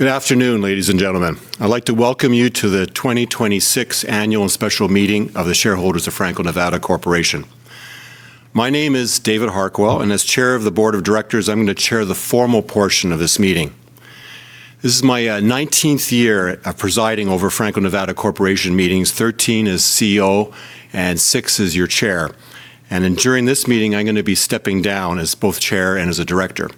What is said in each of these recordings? Good afternoon, ladies and gentlemen. I'd like to welcome you to the 2026 annual special meeting of the shareholders of Franco-Nevada Corporation. My name is David Harquail, as Chair of the Board of Directors, I'm gonna chair the formal portion of this meeting. This is my 19th year of presiding over Franco-Nevada Corporation meetings, 13 as CEO and six as your chair. During this meeting, I'm gonna be stepping down as both chair and as a director.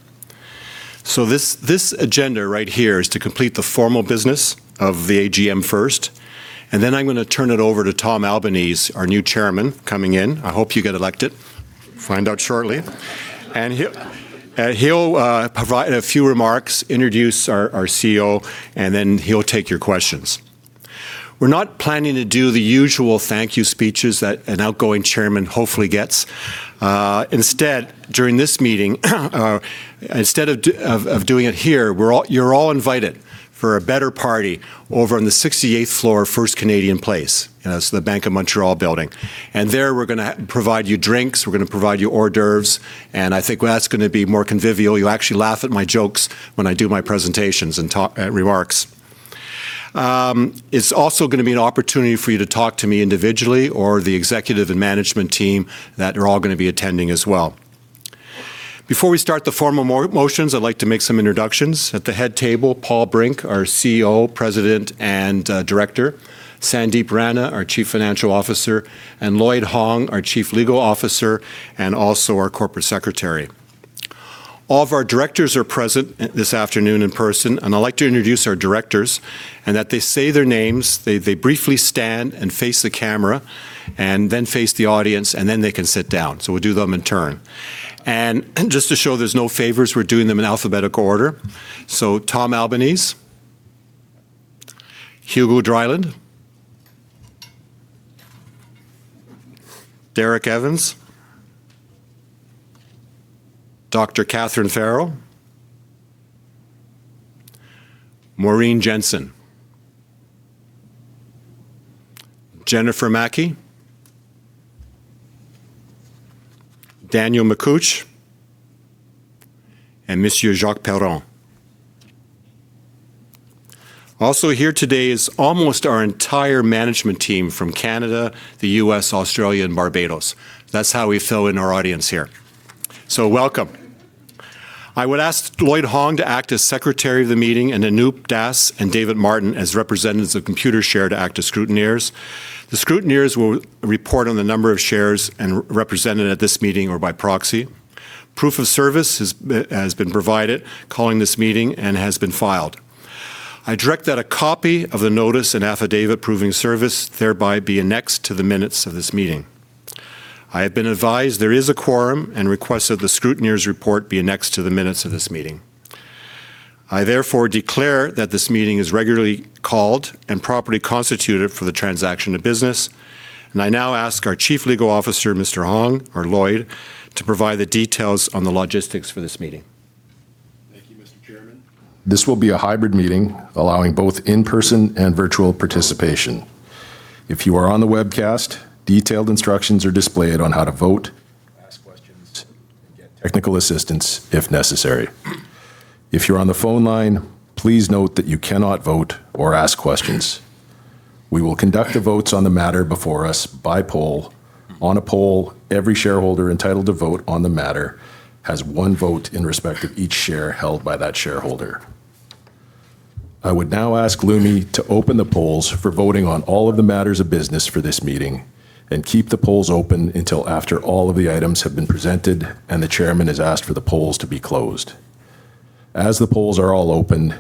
This agenda right here is to complete the formal business of the AGM first, then I'm gonna turn it over to Tom Albanese, our new chairman coming in. I hope you get elected. Find out shortly. He'll provide a few remarks, introduce our CEO, then he'll take your questions. We're not planning to do the usual thank you speeches that an outgoing chairman hopefully gets. Instead, during this meeting, instead of doing it here, you're all invited for a better party over on the 68th floor of First Canadian Place. It's the Bank of Montreal building. There we're gonna provide you drinks, we're gonna provide you hors d'oeuvres, and I think that's gonna be more convivial. You'll actually laugh at my jokes when I do my presentations and talk remarks. It's also gonna be an opportunity for you to talk to me individually or the executive and management team that are all gonna be attending as well. Before we start the formal motions, I'd like to make some introductions. At the head table, Paul Brink, our CEO, President, and Director. Sandip Rana, our Chief Financial Officer. Lloyd Hong, our Chief Legal Officer, and also our Corporate Secretary. All of our directors are present this afternoon in person, and I'd like to introduce our directors, and that they say their names, they briefly stand and face the camera, and then face the audience, and then they can sit down. We'll do them in turn. Just to show there's no favors, we're doing them in alphabetical order. Tom Albanese. Hugo Dryland. Derek Evans. Dr. Catherine Farrow. Maureen Jensen. Jennifer Maki. Daniel Malchuk, and Monsieur Jacques Perron. Also here today is almost our entire management team from Canada, the U.S., Australia, and Barbados. That's how we fill in our audience here. Welcome. I would ask Lloyd Hong to act as secretary of the meeting, and Anup Das and David Martin as representatives of Computershare to act as scrutineers. The scrutineers will report on the number of shares represented at this meeting or by proxy. Proof of service has been provided calling this meeting and has been filed. I direct that a copy of the notice and affidavit proving service thereby be annexed to the minutes of this meeting. I have been advised there is a quorum and request that the scrutineers' report be annexed to the minutes of this meeting. I therefore declare that this meeting is regularly called and properly constituted for the transaction of business, and I now ask our Chief Legal Officer, Mr. Hong, or Lloyd, to provide the details on the logistics for this meeting. Thank you, Mr. Chairman. This will be a hybrid meeting allowing both in-person and virtual participation. If you are on the webcast, detailed instructions are displayed on how to vote, ask questions, and get technical assistance if necessary. If you're on the phone line, please note that you cannot vote or ask questions. We will conduct the votes on the matter before us by poll. On a poll, every shareholder entitled to vote on the matter has one vote in respect of each share held by that shareholder. I would now ask Lumi to open the polls for voting on all of the matters of business for this meeting and keep the polls open until after all of the items have been presented and the Chairman has asked for the polls to be closed. As the polls are all open,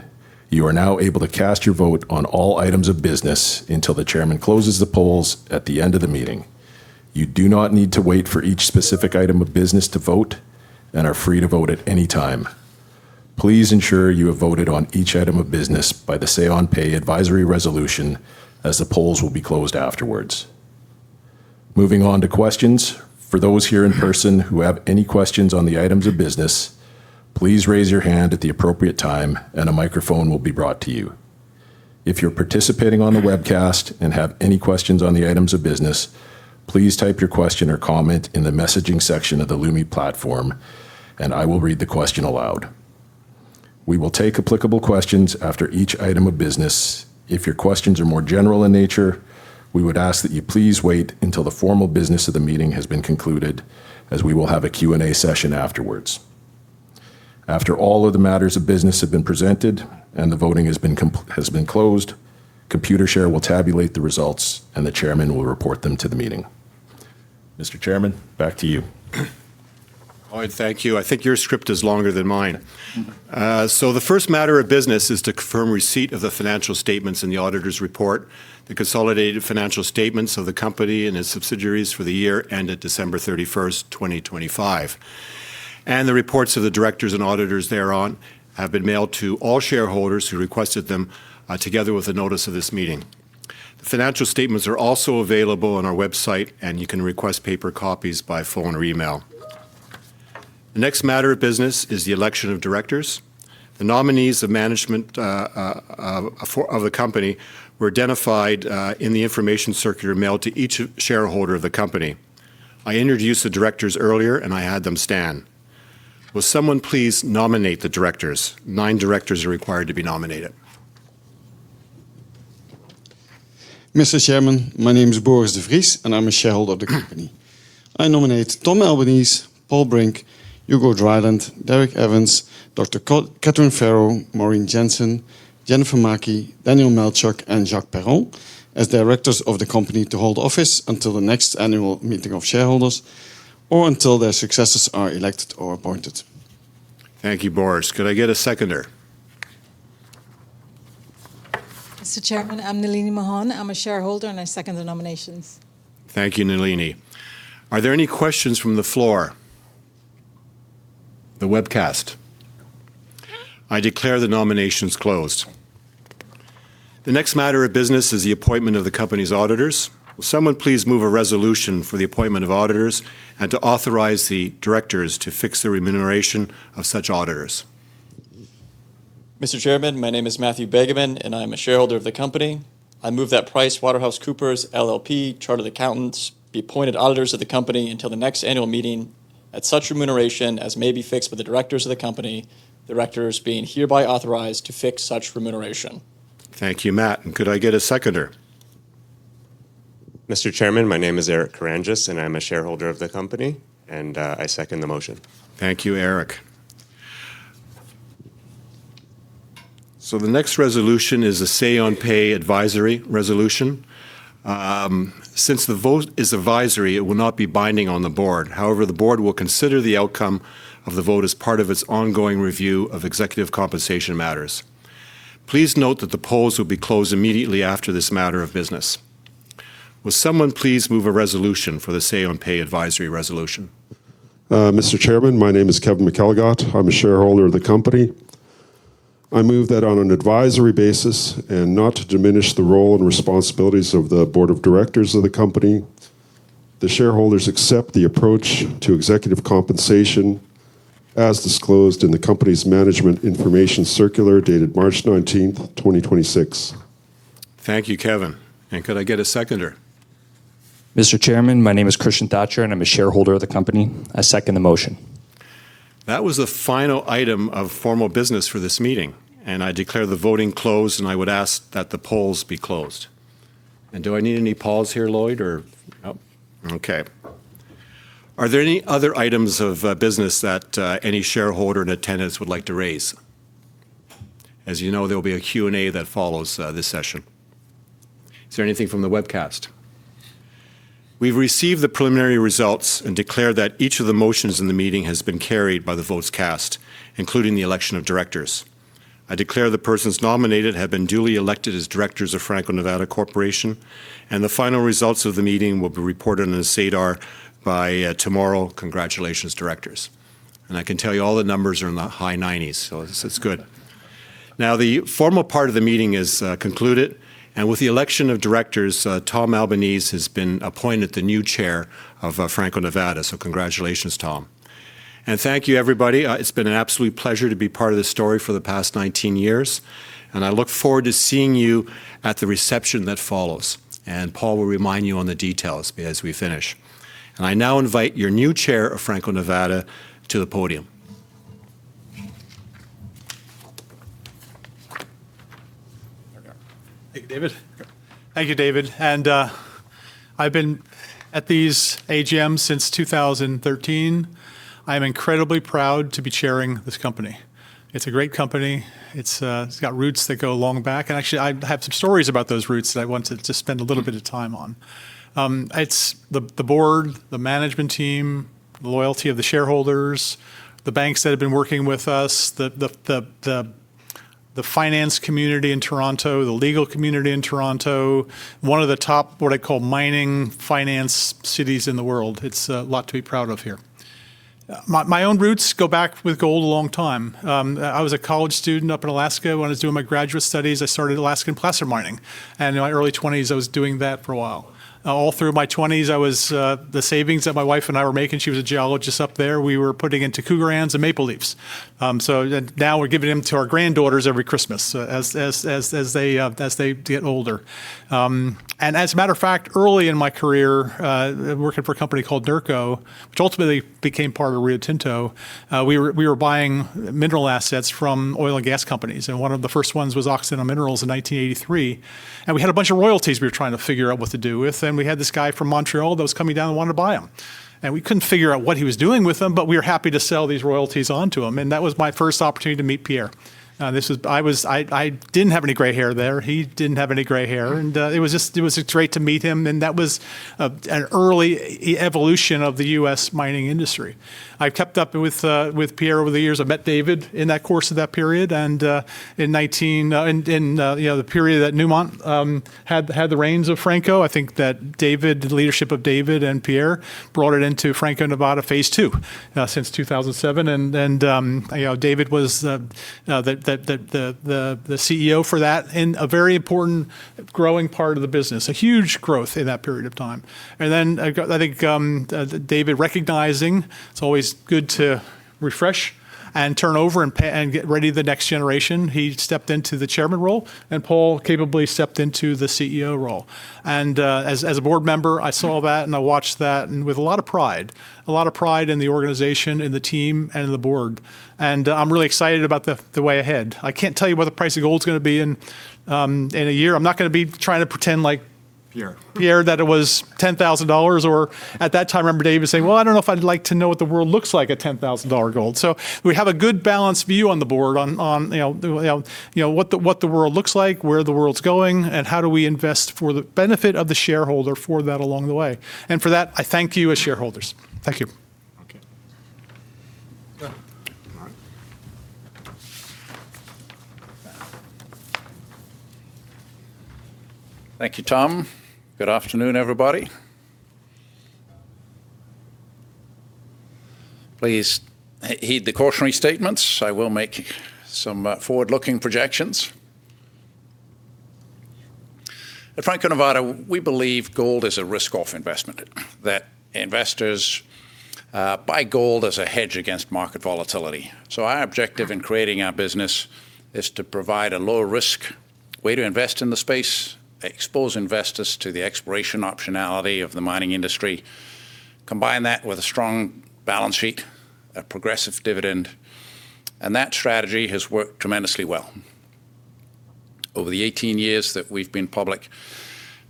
you are now able to cast your vote on all items of business until the chairman closes the polls at the end of the meeting. You do not need to wait for each specific item of business to vote and are free to vote at any time. Please ensure you have voted on each item of business by the say-on-pay advisory resolution, as the polls will be closed afterwards. Moving on to questions. For those here in person who have any questions on the items of business, please raise your hand at the appropriate time and a microphone will be brought to you. If you're participating on the webcast and have any questions on the items of business, please type your question or comment in the messaging section of the Lumi platform, and I will read the question aloud. We will take applicable questions after each item of business. If your questions are more general in nature, we would ask that you please wait until the formal business of the meeting has been concluded, as we will have a Q&A session afterwards. After all of the matters of business have been presented and the voting has been closed, Computershare will tabulate the results, and the chairman will report them to the meeting. Mr. Chairman, back to you. Lloyd, thank you. I think your script is longer than mine. The first matter of business is to confirm receipt of the financial statements in the auditor's report, the consolidated financial statements of the company and its subsidiaries for the year ended December 31st, 2025. The reports of the directors and auditors thereon have been mailed to all shareholders who requested them, together with a notice of this meeting. The financial statements are also available on our website, and you can request paper copies by phone or email. The next matter of business is the election of directors. The nominees of management of the company were identified in the information circular mailed to each shareholder of the company. I introduced the directors earlier, and I had them stand. Will someone please nominate the directors? Nine directors are required to be nominated. Mr. Chairman, my name is Boris de Vries, I'm a shareholder of the company. I nominate Tom Albanese, Paul Brink, Hugo Dryland, Derek Evans, Catherine Farrow, Maureen Jensen, Jennifer Maki, Daniel Malchuk, and Jacques Perron as directors of the company to hold office until the next annual meeting of shareholders or until their successors are elected or appointed. Thank you, Boris. Could I get a seconder? Mr. Chairman, I'm Nalini Mohan. I'm a shareholder, and I second the nominations. Thank you, Nalini. Are there any questions from the floor? The webcast? I declare the nominations closed. The next matter of business is the appointment of the company's auditors. Will someone please move a resolution for the appointment of auditors and to authorize the directors to fix the remuneration of such auditors? Mr. Chairman, my name is Matthew Begeman, and I am a shareholder of the company. I move that PricewaterhouseCoopers LLP, Chartered Accountants, be appointed auditors of the company until the next annual meeting at such remuneration as may be fixed by the directors of the company, directors being hereby authorized to fix such remuneration. Thank you, Matt. Could I get a seconder? Mr. Chairman, my name is Eric Karrandjas and I am a shareholder of the company, and I second the motion. Thank you, Eric. The next resolution is a say-on-pay advisory resolution. Since the vote is advisory, it will not be binding on the board. However, the board will consider the outcome of the vote as part of its ongoing review of executive compensation matters. Please note that the polls will be closed immediately after this matter of business. Will someone please move a resolution for the say-on-pay advisory resolution? Mr. Chairman, my name is Kevin McElligott. I'm a shareholder of the company. I move that on an advisory basis and not to diminish the role and responsibilities of the board of directors of the company, the shareholders accept the approach to executive compensation as disclosed in the company's management information circular dated March 19th, 2026. Thank you, Kevin. Could I get a seconder? Mr. Chairman, my name is Christian Thatcher, and I'm a shareholder of the company. I second the motion. That was the final item of formal business for this meeting. I declare the voting closed. I would ask that the polls be closed. Do I need any polls here, Lloyd? Nope. Okay. Are there any other items of business that any shareholder and attendants would like to raise? As you know, there'll be a Q&A that follows this session. Is there anything from the webcast? We've received the preliminary results and declare that each of the motions in the meeting has been carried by the votes cast, including the election of directors. I declare the persons nominated have been duly elected as directors of Franco-Nevada Corporation, and the final results of the meeting will be reported on SEDAR by tomorrow. Congratulations, Directors. I can tell you all the numbers are in the high 90s, so this is good. Now, the formal part of the meeting is concluded, and with the election of directors, Tom Albanese has been appointed the new Chair of Franco-Nevada, so congratulations, Tom. Thank you, everybody. It's been an absolute pleasure to be part of this story for the past 19 years, and I look forward to seeing you at the reception that follows. Paul will remind you on the details as we finish. I now invite your new chair of Franco-Nevada to the podium. There we are. Thank you, David. Okay. Thank you, David. I've been at these AGMs since 2013. I'm incredibly proud to be chairing this company. It's a great company. It's got roots that go a long back, and actually I have some stories about those roots that I wanted to spend a little bit of time on. It's the board, the management team, the loyalty of the shareholders, the banks that have been working with us, the finance community in Toronto, the legal community in Toronto, one of the top, what I call mining finance cities in the world. It's a lot to be proud of here. My own roots go back with gold a long time. I was a college student up in Alaska. When I was doing my graduate studies, I started Alaskan placer mining. In my early 20s, I was doing that for a while. All through my 20s, I was, the savings that my wife and I were making, she was a geologist up there, we were putting into Krugerrands and Maple Leafs. Now we're giving them to our granddaughters every Christmas as they get older. As a matter of fact, early in my career, working for a company called NERCO, which ultimately became part of Rio Tinto, we were buying mineral assets from oil and gas companies, and one of the first ones was Oxyna Minerals in 1983. We had a bunch of royalties we were trying to figure out what to do with, and we had this guy from Montreal that was coming down and wanted to buy them. We couldn't figure out what he was doing with them, but we were happy to sell these royalties on to him, and that was my first opportunity to meet Pierre. I didn't have any gray hair there. He didn't have any gray hair, and it was just great to meet him, and that was an early e-evolution of the U.S. mining industry. I've kept up with Pierre over the years. I met David in that course of that period and, you know, the period that Newmont had the reins of Franco. I think that David, the leadership of David and Pierre brought it into Franco-Nevada phase II since 2007, you know, David was the CEO for that and a very important growing part of the business, a huge growth in that period of time. I think David recognizing it's always good to refresh and turn over and get ready the next generation, he stepped into the Chairman role, Paul capably stepped into the CEO role. As a board member, I saw that and I watched that and with a lot of pride, a lot of pride in the organization, in the team, and the board, I'm really excited about the way ahead. I can't tell you what the price of gold's gonna be in a year. I'm not gonna be trying to pretend like. Pierre Pierre, that it was $10,000, or at that time I remember David saying, "Well, I don't know if I'd like to know what the world looks like at $10,000 gold." We have a good balanced view on the board on, you know, what the world looks like, where the world's going, and how do we invest for the benefit of the shareholder for that along the way. For that, I thank you as shareholders. Thank you. Okay. Go ahead, Paul. Thank you, Tom. Good afternoon, everybody. Please heed the cautionary statements. I will make some forward-looking projections. At Franco-Nevada, we believe gold is a risk-off investment, that investors buy gold as a hedge against market volatility. Our objective in creating our business is to provide a lower risk way to invest in the space, expose investors to the exploration optionality of the mining industry, combine that with a strong balance sheet, a progressive dividend, that strategy has worked tremendously well. Over the 18 years that we've been public,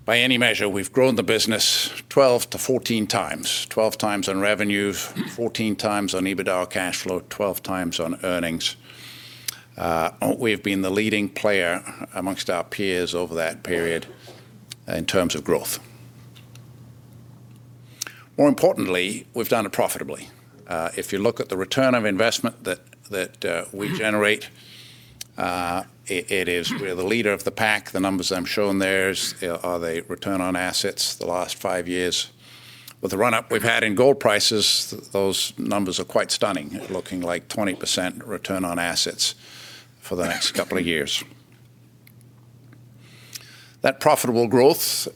by any measure, we've grown the business 12-14x. 12x on revenues, 14x on EBITDA cash flow, 12x on earnings. We've been the leading player amongst our peers over that period in terms of growth. More importantly, we've done it profitably. If you look at the return on investment that we generate, we're the leader of the pack. The numbers I'm showing are the return on assets the last five years. With the run-up we've had in gold prices, those numbers are quite stunning, looking like 20% return on assets for the next two years. That profitable growth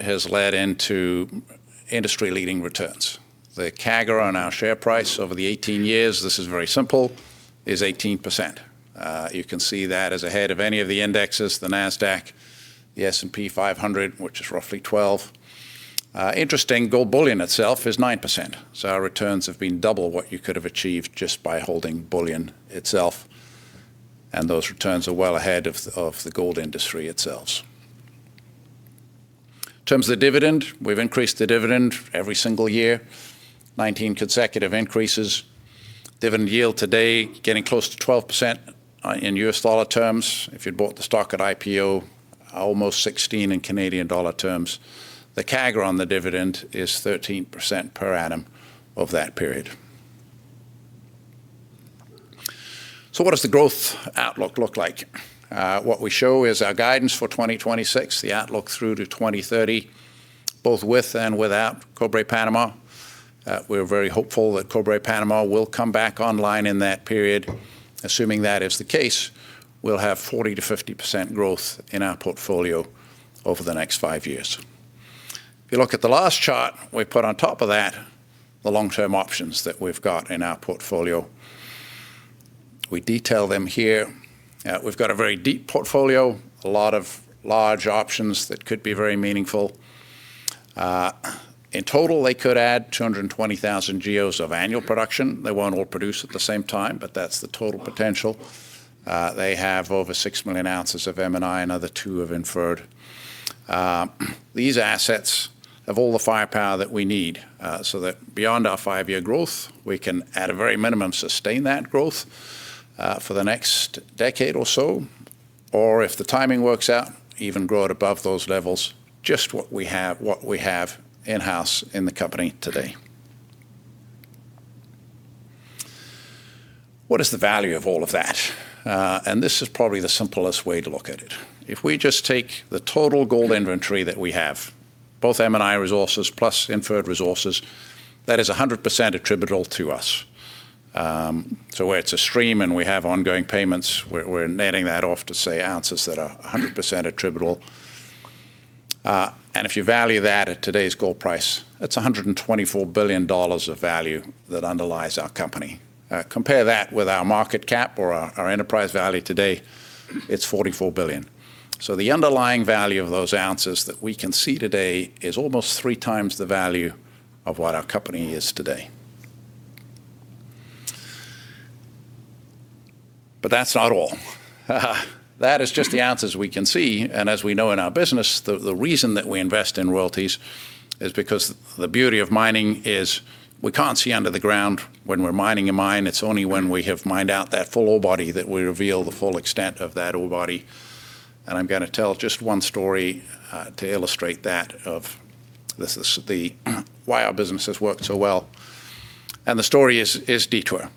has led into industry-leading returns. The CAGR on our share price over the 18 years, this is very simple, is 18%. You can see that is ahead of any of the indexes, the Nasdaq, the S&P 500, which is roughly 12. Interesting, gold bullion itself is 9%, so our returns have been double what you could have achieved just by holding bullion itself, and those returns are well ahead of the gold industry itself. In terms of the dividend, we've increased the dividend every single year, 19 consecutive increases. Dividend yield today getting close to 12% in USD terms. If you'd bought the stock at IPO, almost 16 in Canadian dollar terms. The CAGR on the dividend is 13% per annum of that period. What does the growth outlook look like? What we show is our guidance for 2026, the outlook through to 2030, both with and without Cobre Panama. We're very hopeful that Cobre Panama will come back online in that period. Assuming that is the case, we'll have 40%-50% growth in our portfolio over the next five years. If you look at the last chart, we put on top of that the long-term options that we've got in our portfolio. We detail them here. We've got a very deep portfolio, a lot of large options that could be very meaningful. In total, they could add 220,000 GEOs of annual production. They won't all produce at the same time, but that's the total potential. They have over 6 million ounces of M&I, another two of inferred. These assets have all the firepower that we need, so that beyond our five-year growth, we can, at a very minimum, sustain that growth for the next decade or so, or if the timing works out, even grow it above those levels, just what we have, what we have in-house in the company today. What is the value of all of that? This is probably the simplest way to look at it. If we just take the total gold inventory that we have, both M&I resources plus inferred resources, that is 100% attributable to us. Where it's a stream and we have ongoing payments, we're netting that off to say ounces that are 100% attributable. If you value that at today's gold price, that's $124 billion of value that underlies our company. Compare that with our market cap or our enterprise value today, it's $44 billion. The underlying value of those ounces that we can see today is almost 3x the value of what our company is today. That's not all. That is just the ounces we can see, as we know in our business, the reason that we invest in royalties is because the beauty of mining is we can't see under the ground when we're mining a mine. It's only when we have mined out that full ore body that we reveal the full extent of that ore body. I'm gonna tell just one story to illustrate that why our business has worked so well. The story is Detour.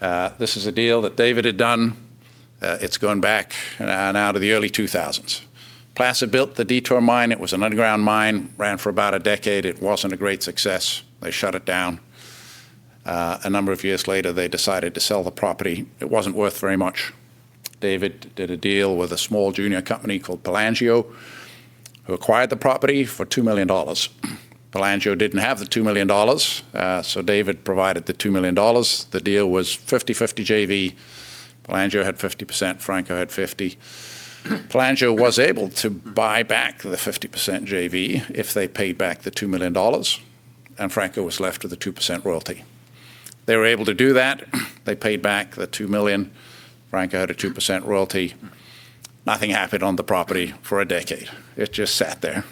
This is a deal that David had done. It's gone back now to the early 2000s. Placer built the Detour mine. It was an underground mine, ran for about a decade. It wasn't a great success. They shut it down. A number of years later, they decided to sell the property. It wasn't worth very much. David did a deal with a small junior company called Pelangio, who acquired the property for $2 million. Pelangio didn't have the $2 million, so David provided the $2 million. The deal was 50/50 JV. Pelangio had 50%, Franco had 50%. Pelangio was able to buy back the 50% JV if they paid back the $2 million. Franco was left with a 2% royalty. They were able to do that, they paid back the $2 million, Franco had a 2% royalty. Nothing happened on the property for a decade. It just sat there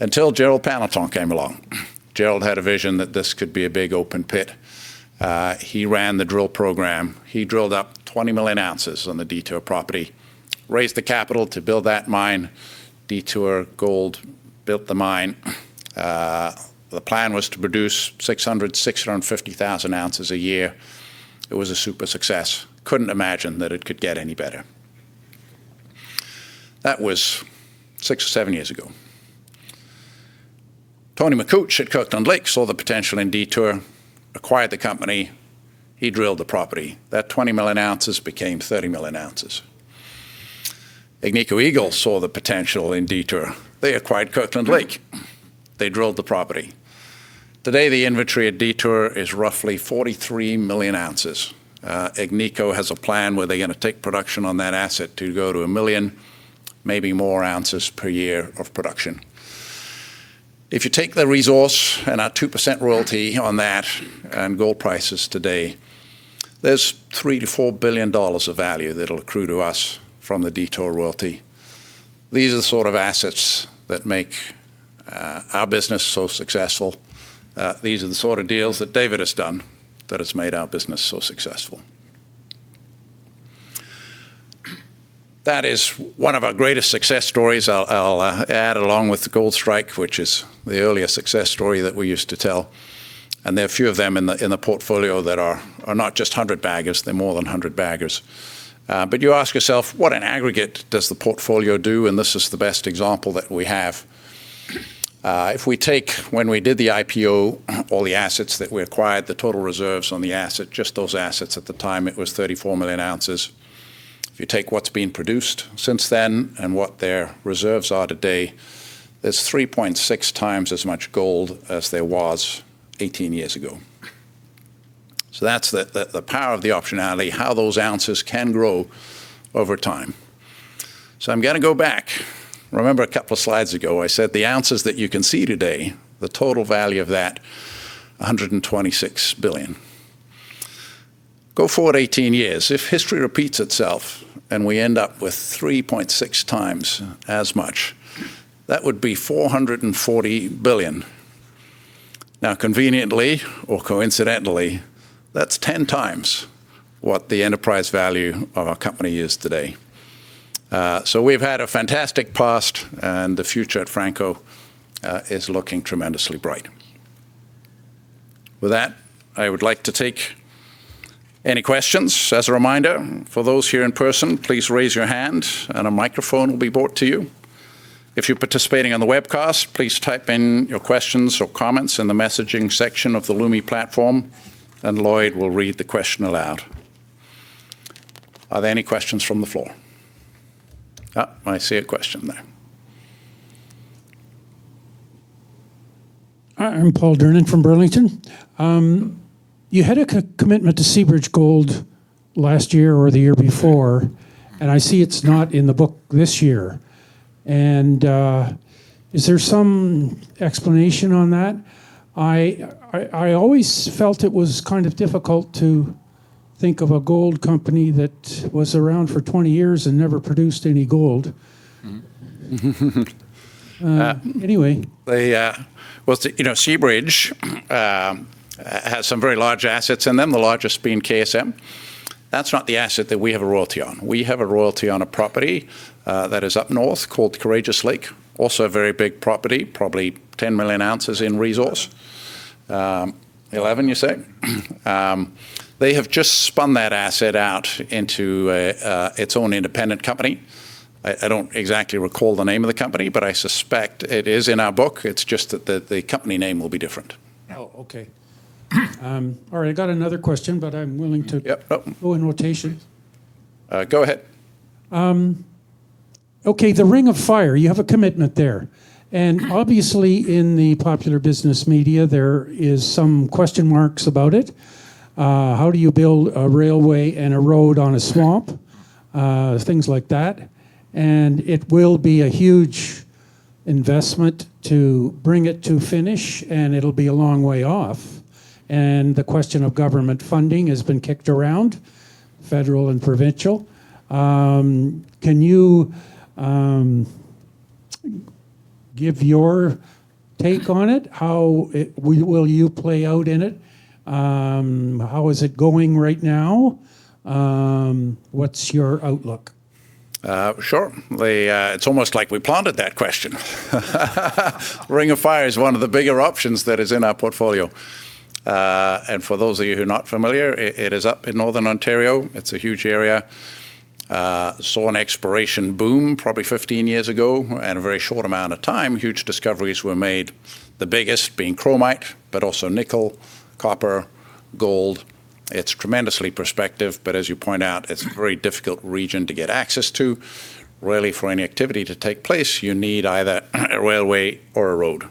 until Gerald Panneton came along. Gerald had a vision that this could be a big open pit. He ran the drill program. He drilled up 20 million ounces on the Detour property, raised the capital to build that mine. Detour Gold built the mine. The plan was to produce 600,000, 650,000 ounces a year. It was a super success. Couldn't imagine that it could get any better. That was six or seven years ago. Tony Makuch at Kirkland Lake saw the potential in Detour, acquired the company, he drilled the property. That 20 million ounces became 30 million ounces. Agnico Eagle saw the potential in Detour. They acquired Kirkland Lake. They drilled the property. Today, the inventory at Detour is roughly 43 million ounces. Agnico has a plan where they're gonna take production on that asset to go to 1 million, maybe more ounces per year of production. If you take the resource and our 2% royalty on that, and gold prices today, there's $3 billion-$4 billion of value that'll accrue to us from the Detour royalty. These are the sort of assets that make our business so successful. These are the sort of deals that David has done that has made our business so successful. That is one of our greatest success stories. I'll add along with Goldstrike, which is the earlier success story that we used to tell, and there are a few of them in the portfolio that are not just hundred baggers, they're more than hundred baggers. You ask yourself, what in aggregate does the portfolio do? This is the best example that we have. If we take when we did the IPO, all the assets that we acquired, the total reserves on the asset, just those assets at the time, it was 34 million ounces. If you take what's been produced since then and what their reserves are today, there's 3.6x as much gold as there was 18 years ago. That's the power of the optionality, how those ounces can grow over time. I'm gonna go back. Remember two slides ago, I said the ounces that you can see today, the total value of that, $126 billion. Go forward 18 years. If history repeats itself and we end up with 3.6 x as much, that would be $440 billion. Now, conveniently or coincidentally, that's 10x what the enterprise value of our company is today. We've had a fantastic past, and the future at Franco is looking tremendously bright. With that, I would like to take any questions. As a reminder, for those here in person, please raise your hand and a microphone will be brought to you. If you're participating on the webcast, please type in your questions or comments in the messaging section of the Lumi platform, Lloyd will read the question aloud. Are there any questions from the floor. I see a question there. Hi, I'm Paul Durnin from Burlington. You had a co- commitment to Seabridge Gold last year or the year before, and I see it's not in the book this year. Is there some explanation on that? I always felt it was kind of difficult to think of a gold company that was around for 20 years and never produced any gold. Anyway. They, well, you know, Seabridge has some very large assets, and then the largest being KSM. That's not the asset that we have a royalty on. We have a royalty on a property that is up north called Courageous Lake, also a very big property, probably 10 million ounces in resource. 11 11, you say? They have just spun that asset out into its own independent company. I don't exactly recall the name of the company, but I suspect it is in our book, it's just that the company name will be different. Oh, okay. All right, I got another question, but I'm willing to- Yep go in rotation. Go ahead. Okay, the Ring of Fire, you have a commitment there, and obviously in the popular business media, there is some question marks about it. How do you build a railway and a road on a swamp? Things like that. It will be a huge investment to bring it to finish, and it'll be a long way off. The question of government funding has been kicked around, federal and provincial. Can you give your take on it? How will you play out in it? How is it going right now? What's your outlook? Sure. The, it's almost like we planted that question. Ring of Fire is one of the bigger options that is in our portfolio. For those of you who are not familiar, it is up in northern Ontario. It's a huge area. Saw an exploration boom probably 15 years ago, and a very short amount of time, huge discoveries were made, the biggest being chromite, but also nickel, copper, gold. It's tremendously prospective, but as you point out, it's a very difficult region to get access to. Really for any activity to take place, you need either a railway or a road.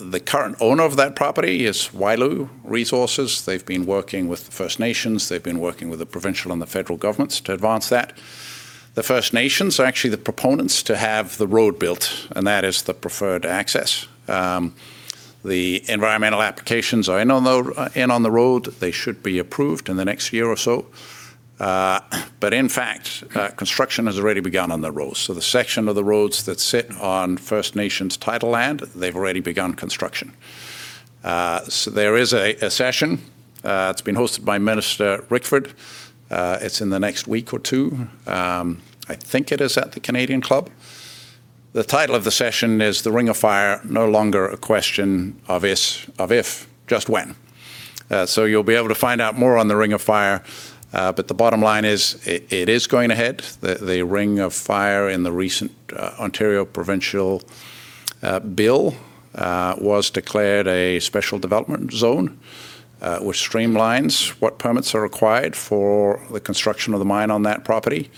The current owner of that property is Wyloo Metals. They've been working with the First Nations, they've been working with the provincial and the federal governments to advance that. The First Nations are actually the proponents to have the road built, and that is the preferred access. The environmental applications are in on the road. They should be approved in the next year or so. In fact, construction has already begun on the roads. The section of the roads that sit on First Nations title land, they've already begun construction. There is a session, it's being hosted by Minister Rickford, it's in the next week or two, I think it is at the Canadian Club. The title of the session is The Ring of Fire: No Longer a Question of If, Just When. You'll be able to find out more on the Ring of Fire, but the bottom line is, it is going ahead. The Ring of Fire in the recent Ontario provincial bill was declared a special development zone, which streamlines what permits are required for the construction of the mine on that property.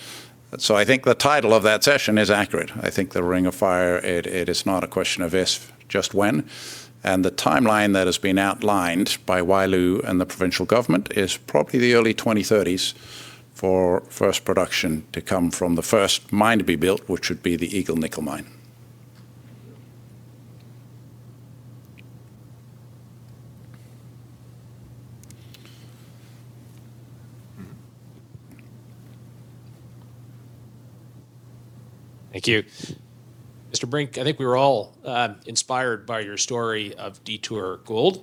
I think the title of that session is accurate. I think the Ring of Fire, it is not a question of if, just when, and the timeline that has been outlined by Wyloo and the provincial government is probably the early 2030s for first production to come from the first mine to be built, which would be the Eagle's Nest Nickel Mine. Thank you. Mr. Brink, I think we were all inspired by your story of Detour Gold.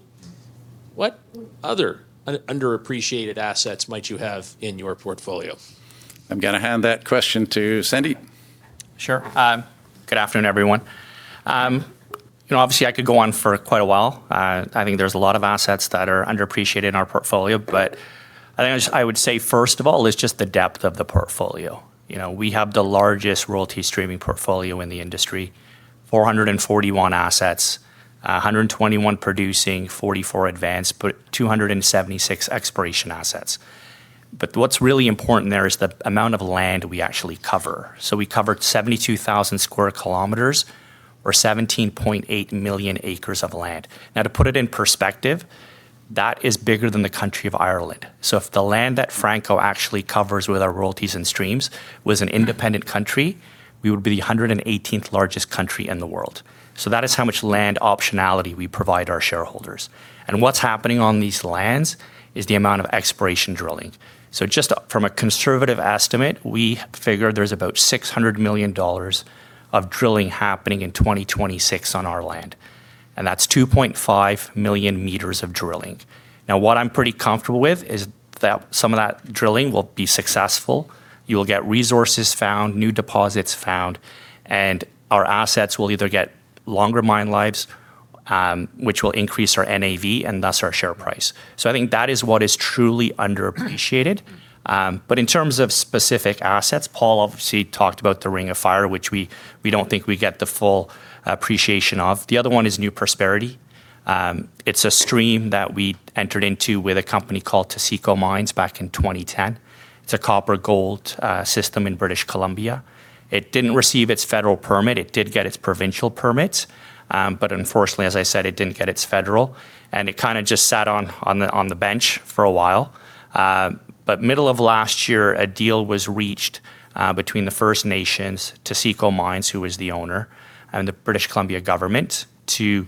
What other underappreciated assets might you have in your portfolio? I'm gonna hand that question to Sandip. Sure. Good afternoon, everyone. You know, obviously I could go on for quite a while. I think there's a lot of assets that are underappreciated in our portfolio, but I would say first of all is just the depth of the portfolio. You know, we have the largest royalty streaming portfolio in the industry. 441 assets, 121 producing, 44 advanced, but 276 exploration assets. But what's really important there is the amount of land we actually cover. We cover 72,000 sq km or 17.8 million acres of land. To put it in perspective, that is bigger than the country of Ireland. If the land that Franco-Nevada actually covers with our royalties and streams was an independent country, we would be the 118th largest country in the world. That is how much land optionality we provide our shareholders. What's happening on these lands is the amount of exploration drilling. Just from a conservative estimate, we figure there's about $600 million of drilling happening in 2026 on our land, and that's 2.5 million meters of drilling. What I'm pretty comfortable with is that some of that drilling will be successful, you will get resources found, new deposits found, and our assets will either get longer mine lives, which will increase our NAV and thus our share price. I think that is what is truly underappreciated. In terms of specific assets, Paul obviously talked about the Ring of Fire, which we don't think we get the full appreciation of. The other one is New Prosperity. It's a stream that we entered into with a company called Taseko Mines back in 2010. It's a copper gold system in British Columbia. It didn't receive its federal permit. It did get its provincial permits, unfortunately, as I said, it didn't get its federal, and it kinda just sat on the bench for a while. Middle of last year, a deal was reached between the First Nations, Taseko Mines, who was the owner, and the British Columbia government to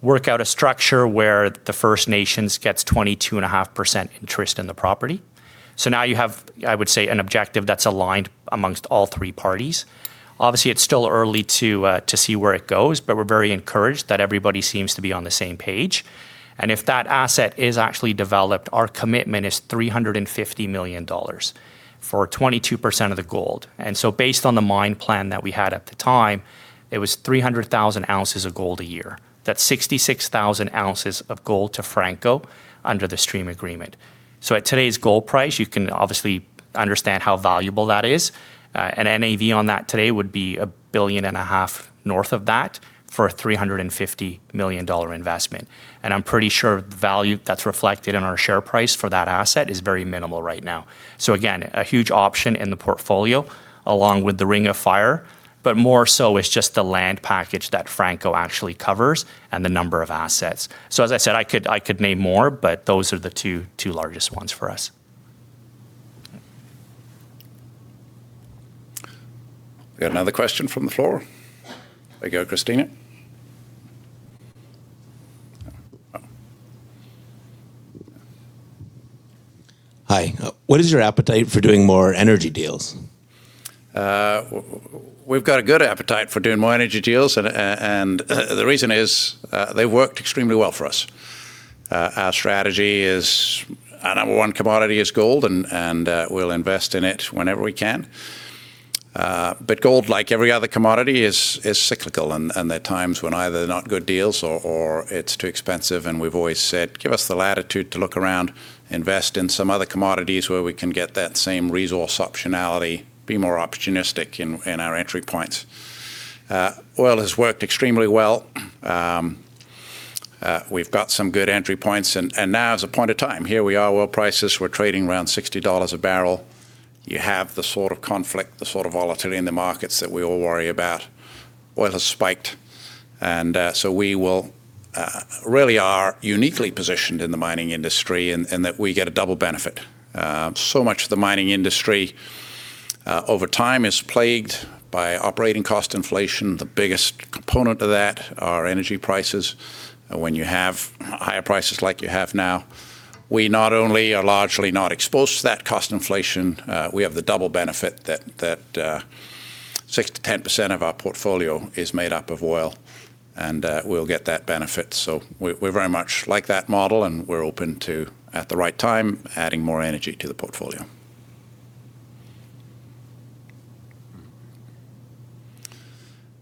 work out a structure where the First Nations gets 22.5% interest in the property. Now you have, I would say, an objective that's aligned amongst all three parties. Obviously, it's still early to see where it goes, but we're very encouraged that everybody seems to be on the same page. If that asset is actually developed, our commitment is $350 million for 22% of the gold. Based on the mine plan that we had at the time, it was 300,000 ounces of gold a year. That's 66,000 ounces of gold to Franco under the stream agreement. At today's gold price, you can obviously understand how valuable that is. An NAV on that today would be $1.5 billion north of that for a $350 million investment, and I'm pretty sure the value that's reflected in our share price for that asset is very minimal right now. Again, a huge option in the portfolio along with the Ring of Fire, but more so it's just the land package that Franco actually covers and the number of assets. As I said, I could name more, but those are the two largest ones for us. We got another question from the floor? There you go, Christina. Hi. What is your appetite for doing more energy deals? We've got a good appetite for doing more energy deals and the reason is, they worked extremely well for us. Our strategy is our number one commodity is gold and we'll invest in it whenever we can. Gold, like every other commodity is cyclical and there are times when either they're not good deals or it's too expensive, and we've always said, "Give us the latitude to look around, invest in some other commodities where we can get that same resource optionality, be more opportunistic in our entry points." Oil has worked extremely well. We've got some good entry points and now is a point of time. Here we are, oil prices, we're trading around $60 a b. You have the sort of conflict, the sort of volatility in the markets that we all worry about. Oil has spiked. We really are uniquely positioned in the mining industry in that we get a double benefit. Much of the mining industry over time is plagued by operating cost inflation. The biggest component of that are energy prices. When you have higher prices like you have now, we not only are largely not exposed to that cost inflation, we have the double benefit that 6%-10% of our portfolio is made up of oil and we'll get that benefit. We very much like that model and we're open to, at the right time, adding more energy to the portfolio.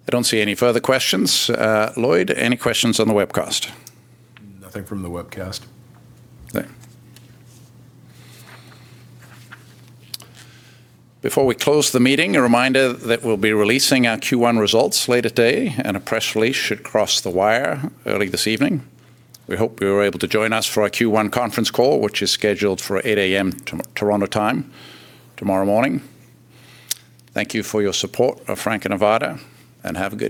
I don't see any further questions. Lloyd, any questions on the webcast? Nothing from the webcast. Okay. Before we close the meeting, a reminder that we'll be releasing our Q1 results later today and a press release should cross the wire early this evening. We hope you are able to join us for our Q1 conference call, which is scheduled for 8:00 A.M. Toronto time tomorrow morning. Thank you for your support of Franco-Nevada, and have a good evening.